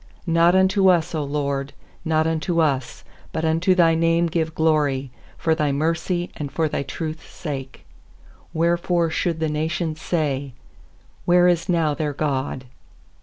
1 1 K Not unto us, 0 LORD, not unto J Lt ' us, But unto Thy name give glory, For Thy mercy, and for Thy truth's 859 115.2 PSALMS Wherefore should the nations say 'Where is now their God?'